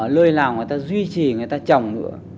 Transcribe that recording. lơi nào người ta duy trì người ta trồng nữa